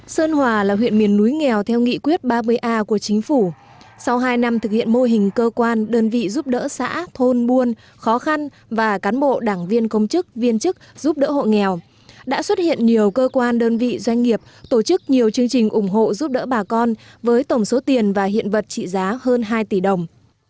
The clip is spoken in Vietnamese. sơn hòa là huyện miền núi nghèo theo nghị quyết ba mươi a của chính phủ sau hai năm thực hiện mô hình cơ quan đơn vị giúp đỡ xã thôn buôn khó khăn và cán bộ đảng viên công chức viên chức giúp đỡ hộ nghèo đã xuất hiện nhiều cơ quan đơn vị doanh nghiệp tổ chức nhiều chương trình ủng hộ giúp đỡ bà con với tổng số tiền và hiện vật trị giá hơn hai tỷ đồng